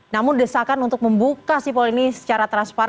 namun desakan untuk membuka sipol ini secara transparan